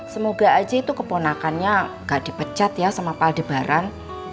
semoga aja itu keponakannya gak dipecat ya sama paldebaran